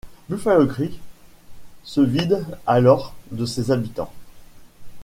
Buffalo Creek se vide alors de ses habitants.